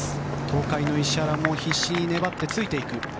東海の石原も必死に粘ってついていく。